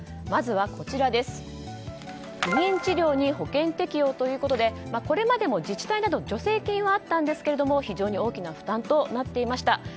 まずは不妊治療に保険適用ということでこれまでも自治体などで助成金はあったんですが非常に大きな負担になっていました。